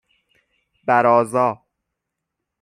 بَرازا